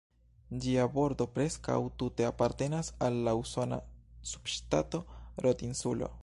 Ĝia bordo preskaŭ tute apartenas al la usona subŝtato Rod-Insulo.